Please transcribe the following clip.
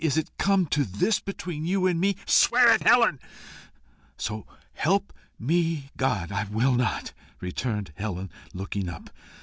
is it come to this between you and me?" "Swear it, Helen." "So help me God, I will not!" returned Helen, looking up.